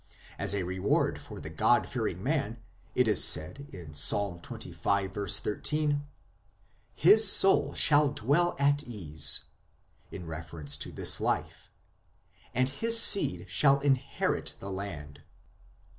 As a reward for the God fearing man it is said in Ps. xxv. 13 :" His soul shall dwell at ease [in reference to this life], and his seed shall inherit the land."